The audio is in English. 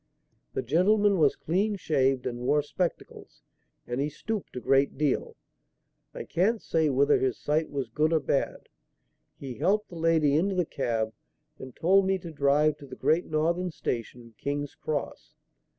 "'The gentleman was clean shaved and wore spectacles, and he stooped a good deal. I can't say whether his sight was good or bad. He helped the lady into the cab and told me to drive to the Great Northern Station, King's Cross.